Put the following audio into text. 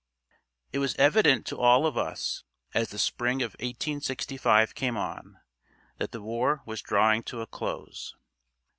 It was evident to all of us, as the spring of 1865 came on, that the war was drawing to a close.